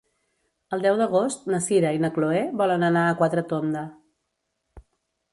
El deu d'agost na Sira i na Chloé volen anar a Quatretonda.